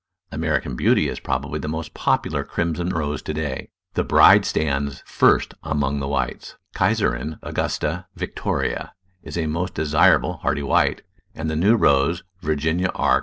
American Beauty is prob ably the most popular crimson Rose to day. The Bride stands first among the whites. Kaiserin Augusta Victoria is a most desirable hardy white, and the new rose, Virginia R.